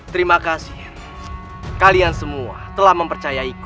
terima kasih kalian semua telah mempercayaiku